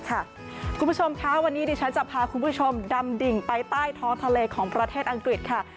คุณผู้ชมคะวันนี้ดิฉันจะพาคุณผู้ชมดำดิ่งไปใต้ท้องทะเลของประเทศอังกฤษค่ะ